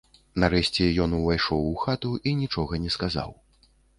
Нарэшце ён увайшоў у хату і нічога не сказаў.